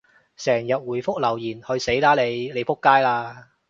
成日回覆留言，去死啦你！你仆街啦！